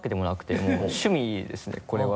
もう趣味ですねこれは。